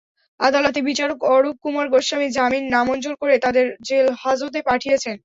আদালতের বিচারক অরূপ কুমার গোস্বামী জামিন নামঞ্জুর করে তাঁদের জেলহাজতে পাঠিয়েছেন।